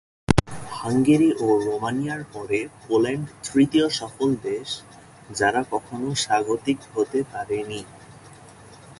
Hungary ও রোমানিয়ার পরে পোল্যান্ড তৃতীয় সফল দেশ যারা কখনও স্বাগতিক হতে পারেনি।